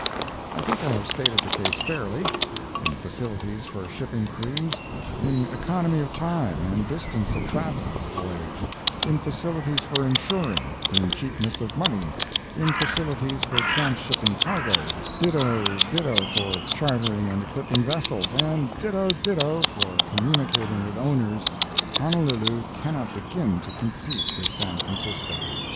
I think I have stated the case fairly. In facilities for shipping crews, in economy of time and distance of travel of a voyage, in facilities for insuring, in cheapness of money, in facilities for transhipping cargoes, ditto ditto for chartering and equipping vessels, and ditto ditto for communicating with owners, Honolulu cannot begin to compete with San Francisco.